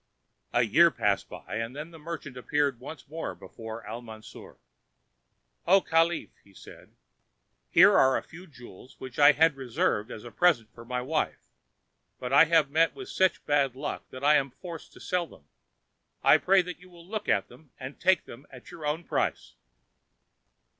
A year passed by and then the merchant appeared once more before Al Mansour. "O Caliph," he said, "here are a few jewels which I had reserved as a present for my wife. But I have met with such bad luck that I am forced to sell them. I pray that you will look at them and take them at your own price."